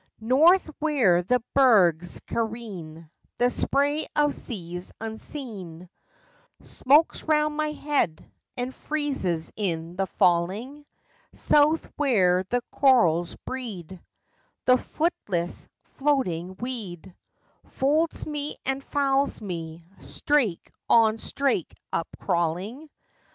North where the bergs careen, The spray of seas unseen Smokes round my head and freezes in the falling; South where the corals breed, The footless, floating weed Folds me and fouls me, strake on strake upcrawling.